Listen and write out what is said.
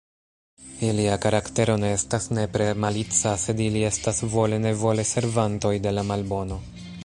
Ilia karaktero ne estas nepre malica, sed ili estas vole-nevole servantoj de la malbono.